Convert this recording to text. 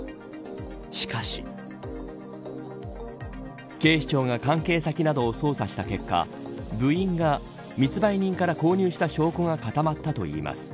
しかし警視庁が関係先などを捜査した結果部員が密売人から購入した証拠が固まったといいます。